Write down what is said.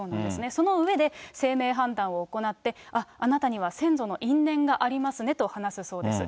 その上で、姓名判断を行って、ああ、あなたには先祖の因縁がありますねと話すそうなんです。